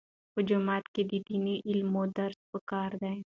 په جوماتونو کې د دیني علومو درسونه پکار دي.